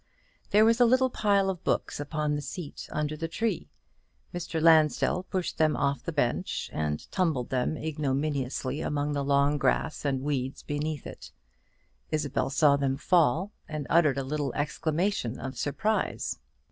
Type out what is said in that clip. There was a little pile of books upon the seat under the tree. Mr. Lansdell pushed them off the bench, and tumbled them ignominiously among the long grass and weeds beneath it. Isabel saw them fall; and uttered a little exclamation of surprise.